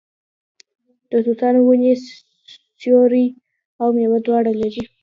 د توتانو ونې سیوری او میوه دواړه لري.